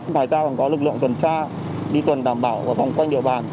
phải giao là có lực lượng tuần tra đi tuần đảm bảo và vòng quanh địa bàn